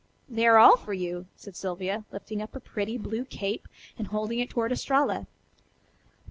"They are all for you," said Sylvia, lifting up a pretty blue cape and holding it toward Estralla.